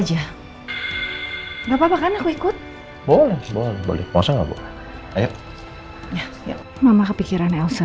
aja nggak papa kan aku ikut boleh boleh boleh masa nggak boleh ayo ya ya mama kepikiran elsa